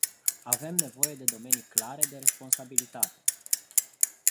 Avem nevoie de domenii clare de responsabilitate.